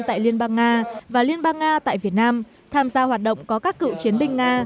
tại liên bang nga và liên bang nga tại việt nam tham gia hoạt động có các cựu chiến binh nga